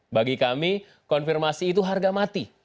bagi kami konfirmasi itu harga mati